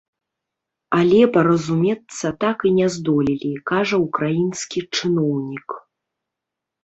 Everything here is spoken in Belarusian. Але паразумецца так і не здолелі, кажа ўкраінскі чыноўнік.